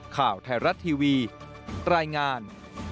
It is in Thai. ข่าวไทยรัฐทีวีรายงาน